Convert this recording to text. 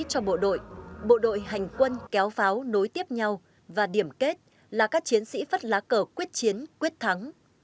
cho bộ đội bộ đội hành quân kéo pháo nối tiếp nhau và điểm kết là các chiến sĩ phất lá cờ quyết chiến quyết thắng